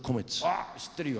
ああ知ってるよ。